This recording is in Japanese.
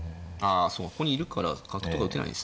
あそうここにいるから角とか打てないですね。